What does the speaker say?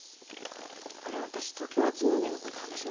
あれ私東京アーツムービーの事話しましたっけ？